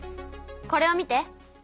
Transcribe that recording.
これを見て。